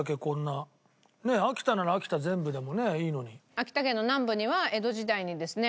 秋田県の南部には江戸時代にですね